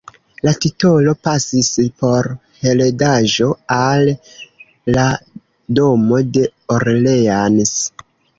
La titolo pasis por heredaĵo al la Domo de Orleans.